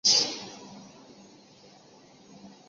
二人一直没有子嗣。